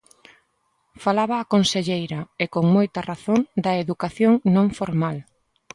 Falaba a conselleira –e con moita razón– da educación non formal.